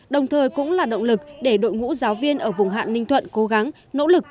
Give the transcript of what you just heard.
đồng thời cũng là động lực để đội ngũ giáo viên ở vùng hạn ninh thuận cố gắng nỗ lực